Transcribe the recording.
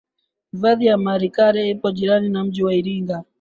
hifadhi ya malikale ipo jirani na mji wa iringa